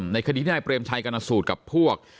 ในคดีนี้ได้เปลี่ยนชัยกางนักสูตรกับพวก